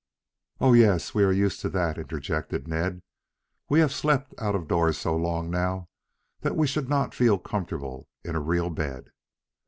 "Oh, yes, we are used to that," interjected Ned. "We have slept out of doors so long now that we should not feel comfortable in a real bed."